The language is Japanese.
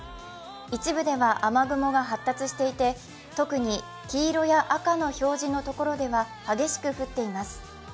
一部では雨雲が発達していて特に黄色や赤の表示のところでは激しく降っています。